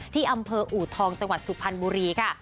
ที่อำเภออูทองจังหวัดสุพรรณบุรีค่ะ